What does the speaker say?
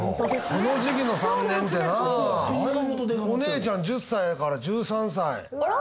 この時期の３年ってなお姉ちゃん１０歳やから１３歳あら？